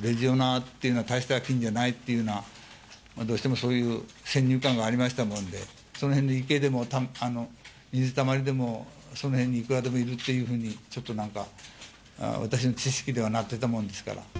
レジオネラっていうのはたいした菌じゃないっていうふうな、どうしてもそういう先入観がありましたもんで、その辺の池でも水たまりでもその辺にいくらでもいるというふうに、ちょっとなんか、私の知識ではなってたもんですから。